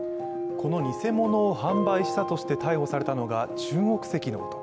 この偽物を販売したとして逮捕されたのが中国籍の男。